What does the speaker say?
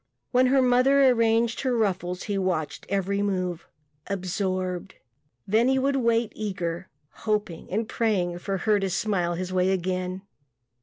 When her mother arranged her ruffles he watched every move absorbed. Then he would wait eager, hoping and praying for her to smile his way again...